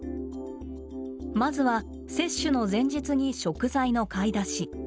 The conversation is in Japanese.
まずは接種の前日に食材の買い出し。